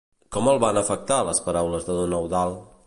Com el van afectar les paraules a don Eudald?